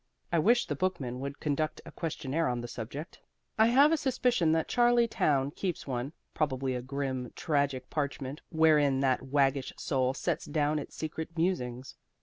I wish The Bookman would conduct a questionnaire on the subject. I have a suspicion that Charley Towne keeps one probably a grim, tragic parchment wherein that waggish soul sets down its secret musings.